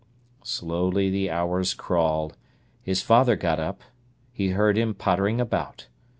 Slowly the hours crawled. His father got up; he heard him pottering about.